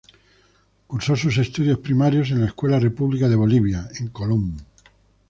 Cursó sus estudios primarios en la Escuela República de Bolivia, en Colón.